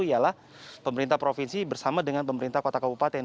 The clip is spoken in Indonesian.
ialah pemerintah provinsi bersama dengan pemerintah kota kabupaten